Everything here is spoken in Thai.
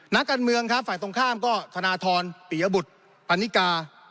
นักการเมืองครับฝ่ายตรงข้ามก็ธนทรปิยบุตรปณิกา